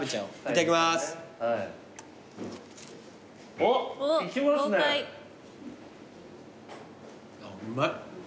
あっうまい。